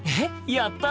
やった！